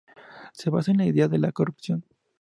Se basa en la idea de la corrupción.